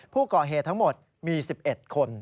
ผู้ก่อเหทั้งหมดมี๑๑คน๑๒๐๐